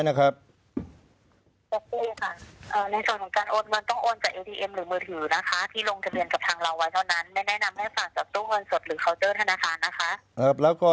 ไม่แนะนำให้ฝากจากตู้เงินสดหรือเคาน์เจอร์ธนาคารนะคะครับแล้วก็